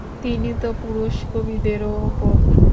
তিনি তো পুরুষ কবিদেরও উপরে।